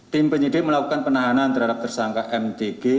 tim penyidik melakukan penahanan terhadap tersangka mdg